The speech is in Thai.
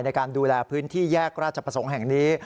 ในการดูแลพื้นที่แยกราชประสงค์แห่งนี้